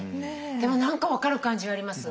でも何か分かる感じはあります。